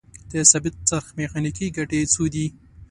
د ثابت څرخ میخانیکي ګټې څو دي؟